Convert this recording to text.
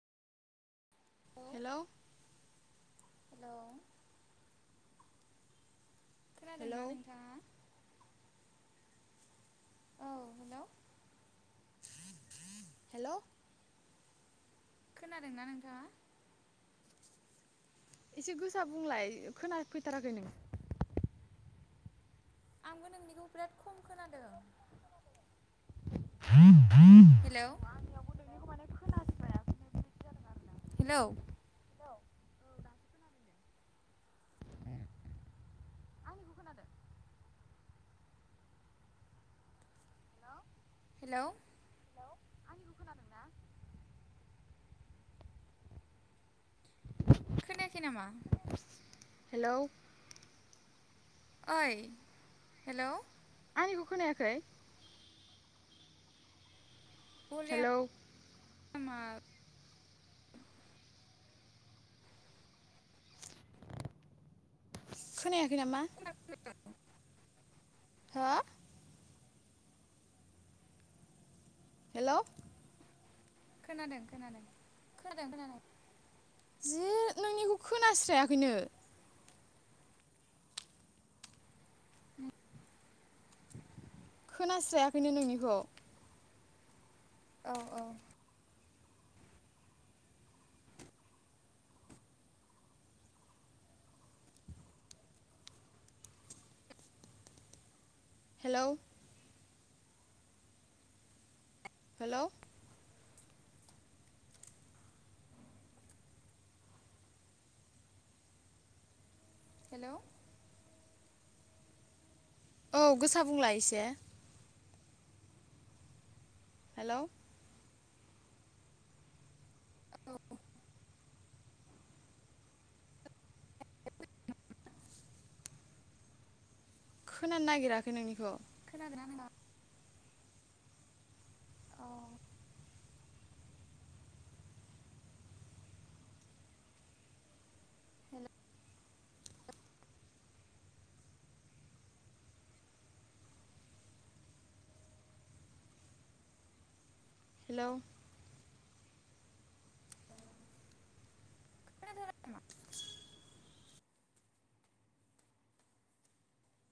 औ। Hello hello. Hello खोनादोंना नोंथाङा औ हेलौ। हेलौ। खोनादोंना नोंथाङा? एसे गोसा बुंलाय खोनाफैथाराखै नों। आंबो नोंनिखौ बिराद खम खोनादों। [inaudible] [inaudible] हेलौ। आंनियावबो नोंनिखौ माने खोनास्रायाखैनो बेबायदि जादों आरोना हेलौ। हेलौ औ दासो खोनादों दे आंनिखौ खोनादों हेलौ हेलौ। हेलौ आंनिखौ खोनादों ना? खोनायाखै नामा? हेलौ। ओइ हेलौ। आंनिखौ खोनायाखै? हेलौ भलेयामआ। खोनायाखै नामा? [unintelligible] हो? हेलौ। खोनादों खोनादों खोनादों खोनादों। जि नोंनिखौ खोनास्रायाखैनो। [inaudible] [inaudible] खोनास्रायाखैनो नोंनिखौ। औ औ। हेलौ। हेलौ। हेलौ। औ गोसा बुंलाय एसे। हेलौ। खोनानो नागिराखै नोंनिखौ खोनादोना नोंहा अ हेलौ हेलौ [unintelligible] नामा